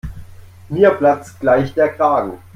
Mir platzt gleich der Kragen.